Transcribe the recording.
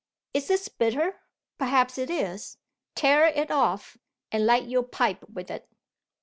Is this bitter? Perhaps it is. Tear it off, and light your pipe with it.